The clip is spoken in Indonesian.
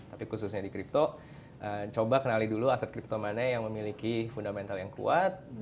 tapi khususnya di crypto coba kenali dulu aset kripto mana yang memiliki fundamental yang kuat